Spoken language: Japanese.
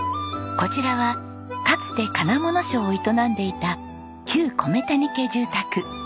こちらはかつて金物商を営んでいた旧米谷家住宅。